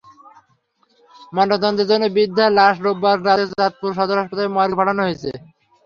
ময়নাতদন্তের জন্য বৃদ্ধার লাশ রোববার রাতে চাঁদপুর সদর হাসপাতালের মর্গে পাঠানো হয়েছে।